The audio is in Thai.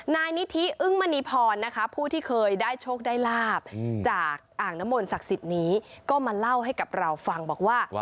นายนิธิอึ้งมณีพรนะคะผู้ที่เคยได้โชคได้ลาบจากอ่างน้ำมนศักดิ์สิทธิ์นี้ก็มาเล่าให้กับเราฟังบอกว่า